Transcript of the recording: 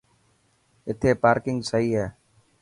اٿي پارڪنگ سهي هي.